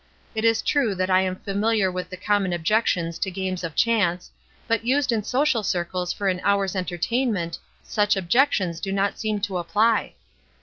It is true that I am famihar with the common objections to games of chance, but used in social circles for an hour's enter tainment, such objections do not seem to apply.